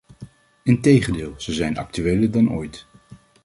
Integendeel, ze zijn actueler dan ooit.